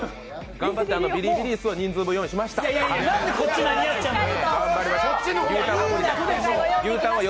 頑張ってビリビリ椅子は人数分用意しました。